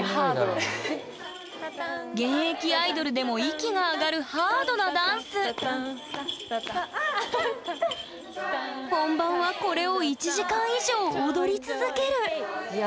現役アイドルでも息が上がるハードなダンス本番はこれを１時間以上踊り続けるいや